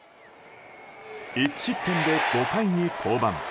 １失点で５回に降板。